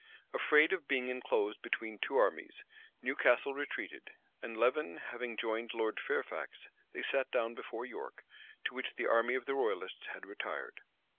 [] Afraid of being enclosed between two armies, Newcastle retreated; and Leven having joined Lord Fairfax, they sat down before York, to which the army of the royalists had retired.